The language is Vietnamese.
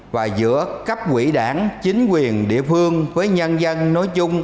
và giữa cấp quỹ đảng chính quyền địa phương với nhân dân nói chung